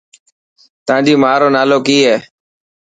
تانجي ماءُ رو نالو ڪي هي.